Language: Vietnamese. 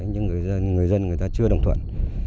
nhưng người dân người ta chưa đồng thuận